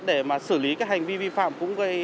để mà xử lý các hành vi vi phạm cũng gây